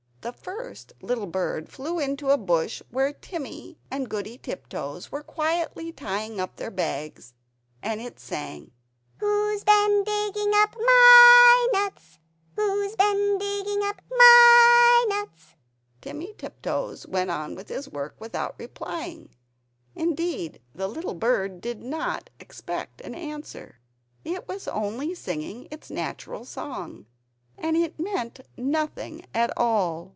The first little bird flew into the bush where Timmy and Goody Tiptoes were quietly tying up their bags, and it sang "Who's bin digging up MY nuts? Who's been digging up MY nuts?" Timmy Tiptoes went on with his work without replying; indeed, the little bird did not expect an answer. It was only singing its natural song, and it meant nothing at all.